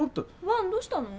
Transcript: ワンどうしたの？